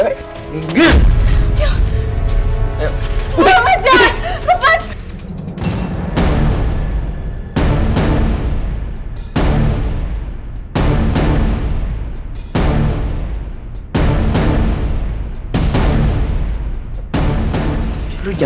yaudah kalo gitu lo jangan sedih ya